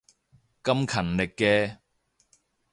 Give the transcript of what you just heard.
咁勤力嘅